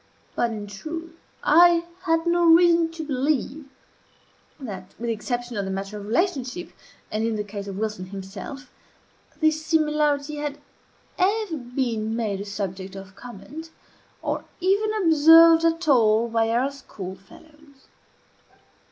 But, in truth, I had no reason to believe that (with the exception of the matter of relationship, and in the case of Wilson himself) this similarity had ever been made a subject of comment, or even observed at all by our schoolfellows.